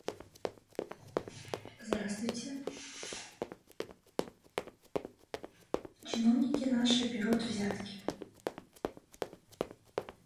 Чиновники наши берут взятки.